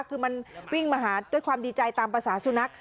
คือมันวิ่งมาหาด้วยความดีใจตามภาษาสุนัข